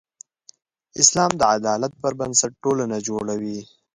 اسلام د عدالت پر بنسټ ټولنه جوړوي.